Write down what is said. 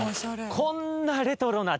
こんなレトロな珍百景